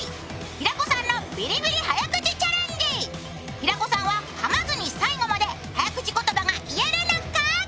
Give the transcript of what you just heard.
平子さんはかまずに最後まで早口言葉が言えるのか。